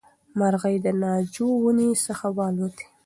مرغۍ له ناجو ونې څخه والوتې.